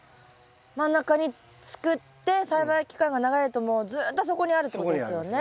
真ん中に作って栽培期間が長いともうずっとそこにあるってことですよね。